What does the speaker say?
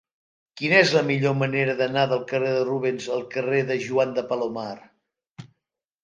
Quina és la millor manera d'anar del carrer de Rubens al carrer de Joan de Palomar?